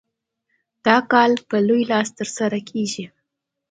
دا کار په لوی لاس ترسره کېږي.